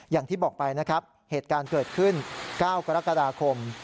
อย่างที่บอกไปนะครับเหตุการณ์เกิดขึ้น๙กรกฎาคม